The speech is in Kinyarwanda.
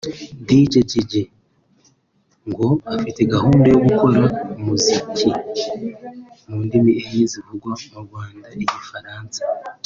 Dr Jiji ngo afite gahunda yo gukora umuziki mu ndimi enye zivugwa mu Rwanda Igifaransa